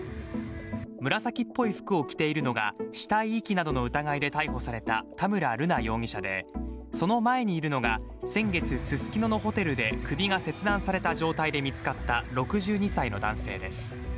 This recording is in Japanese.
紫っぽい服を着ているのが死体遺棄などの疑いで逮捕された田村瑠奈容疑者で、その前にいるのが先月、ススキノのホテルで首が切断された状態で見つかった６２歳の男性です。